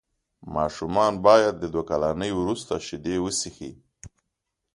ماشومان باید د دوه کلنۍ وروسته شیدې وڅښي.